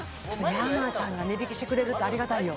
ヤーマンさんが値引きしてくれるってありがたいよ